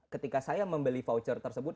ketika saya membeli voucher tersebut